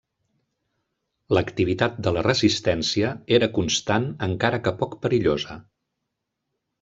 L'activitat de la resistència era constant encara que poc perillosa.